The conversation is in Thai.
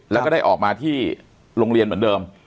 แล้วก็ได้ออกมาที่โรงเรียนเหมือนเดิม